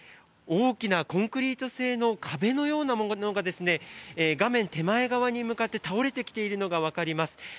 大きなコンクリート製の壁のようなものが画面手前側に向かって倒れてきているのが分かります。